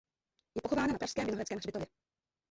Je pochována na pražském Vinohradském hřbitově.